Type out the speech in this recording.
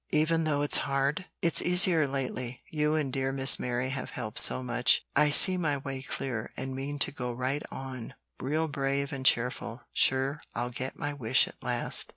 "Even though it's hard?" "It's easier lately; you and dear Miss Mary have helped so much, I see my way clear, and mean to go right on, real brave and cheerful, sure I'll get my wish at last."